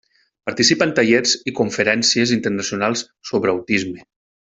Participa en tallers i conferències internacionals sobre autisme.